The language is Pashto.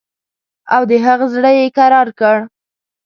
او د هغه زړه یې کرار کړ.